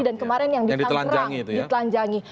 dan kemarin yang ditelanjangi